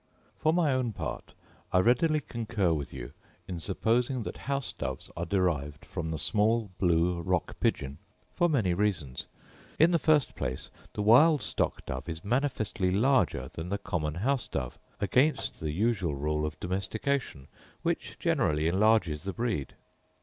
For my own part, I readily concur with you in supposing that house doves are derived from the small blue rock pigeon, for many reasons. In the first place, the wild stock dove is manifestly larger than the common house dove, against the usual rule of domestication, which generally enlarges the breed.